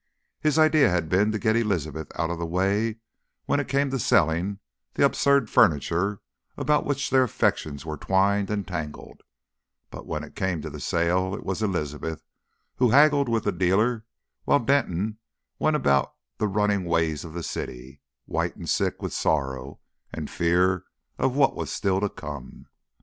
His idea had been to get Elizabeth out of the way when it came to selling the absurd furniture about which their affections were twined and tangled; but when it came to the sale it was Elizabeth who haggled with the dealer while Denton went about the running ways of the city, white and sick with sorrow and the fear of what was still to come.